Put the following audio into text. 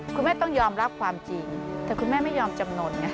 คุณแม่ต้องยอมรับความจริงแต่คุณแม่ไม่ยอมจำนวนไง